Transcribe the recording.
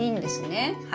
はい。